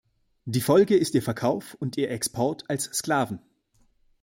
Die Folge ist ihr Verkauf und ihr Export als Sklaven.